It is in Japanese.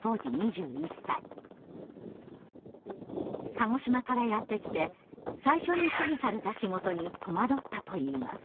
鹿児島からやって来て最初に指示された仕事に戸惑ったといいます。